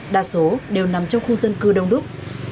đa số đều nằm trong khu dân cư đông đúc